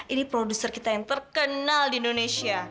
ini produser kita yang terkenal di indonesia